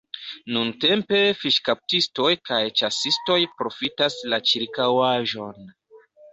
Nuntempe fiŝkaptistoj kaj ĉasistoj profitas la ĉirkaŭaĵon.